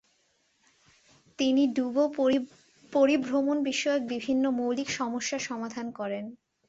তিনি ডুবো পরিভ্রমন বিষয়ক বিভিন্ন মৌলিক সমস্যার সমাধান করেন।